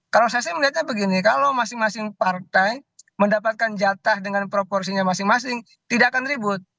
kalau saya sih melihatnya begini kalau masing masing partai mendapatkan jatah dengan proporsinya masing masing tidak akan ribut